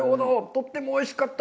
とってもおいしかった。